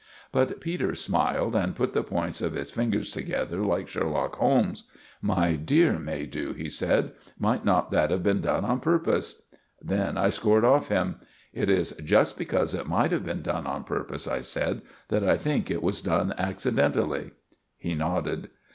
'" But Peters smiled and put the points of his fingers together like Sherlock Holmes. "My dear Maydew," he said, "might not that have been done on purpose?" Then I scored off him. "It is just because it might have been done on purpose," I said, "that I think it was done accidentally." He nodded.